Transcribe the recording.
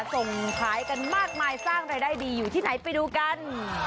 ส่งขายกันมากมายสร้างรายได้ดีอยู่ที่ไหนไปดูกัน